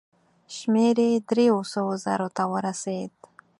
شمېر یې دریو سوو زرو ته ورسېد.